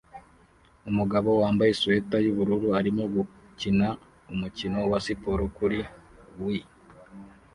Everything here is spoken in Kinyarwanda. Umugabo wambaye swater yubururu arimo gukina umukino wa siporo kuri Wii!